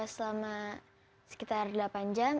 selama sekitar delapan jam